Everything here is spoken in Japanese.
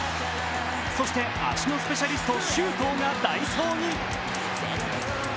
そして足のスペシャリスト周東が代走に。